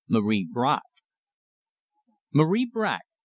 "MARIE BRACQ!" Marie Bracq!